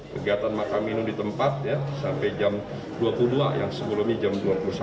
kegiatan makan minum di tempat sampai jam dua puluh dua yang sebelumnya jam dua puluh satu